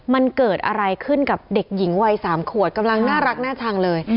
มันเกิดอะไรขึ้นกับเด็กหญิงวัย๓ขวบกำลังน่ารักน่าชังเลย